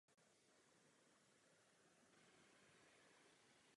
Může být použit jako redukční činidlo.